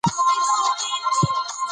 ـ پردى غم نيم اختر دى.